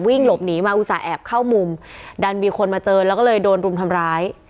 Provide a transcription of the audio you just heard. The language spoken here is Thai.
หลบหนีมาอุตส่าหแอบเข้ามุมดันมีคนมาเจอแล้วก็เลยโดนรุมทำร้าย